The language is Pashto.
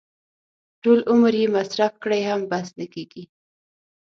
ټول عمر یې مصرف کړي هم بس نه کېږي.